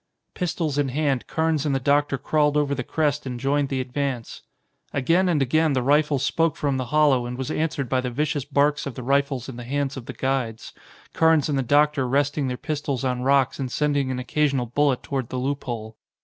Pistols in hand, Carnes and the doctor crawled over the crest and joined the advance. Again and again the rifle spoke from the hollow and was answered by the vicious barks of the rifles in the hands of the guides, Carnes and the doctor resting their pistols on rocks and sending an occasional bullet toward the loophole.